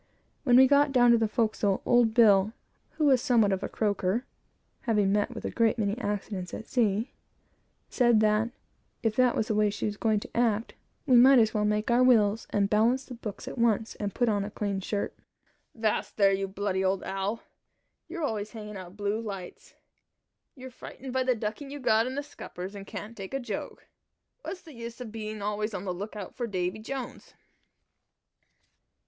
When we got down into the forecastle, Old Bill, who was somewhat of a croaker, having met with a great many accidents at sea said that if that was the way she was going to act, we might as well make our wills, and balance the books at once, and put on a clean shirt. "'Vast there, you bloody old owl! You're always hanging out blue lights! You're frightened by the ducking you got in the scuppers, and can't take a joke! What's the use in being always on the look out for Davy Jones?"